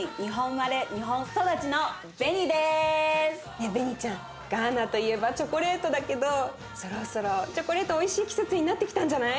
ねえベニちゃんガーナといえばチョコレートだけどそろそろチョコレートおいしい季節になってきたんじゃない？